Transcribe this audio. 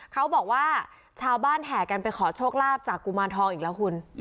เขาบอกว่าชาวบ้านแห่กันไปขอโชคลาภจากกุมารทองอีกแล้วคุณ